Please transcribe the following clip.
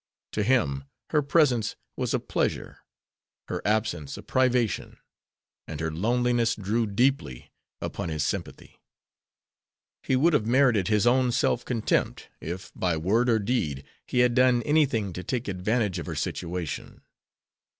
To him her presence was a pleasure, her absence a privation; and her loneliness drew deeply upon his sympathy. He would have merited his own self contempt if, by word or deed, he had done anything to take advantage of her situation.